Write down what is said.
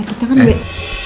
kamu kita kan lebih